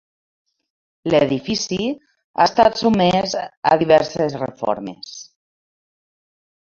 L'edifici ha estat sotmès a diverses reformes.